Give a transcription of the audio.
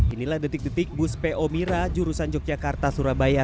inilah detik detik bus po mira jurusan yogyakarta surabaya